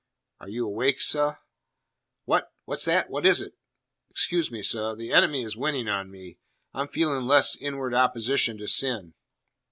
"Are you awake, seh?" "What? What's that? What is it?" "Excuse me, seh. The enemy is winning on me. I'm feeling less inward opposition to sin."